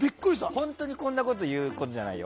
本当にこんなこと言うことじゃないよ。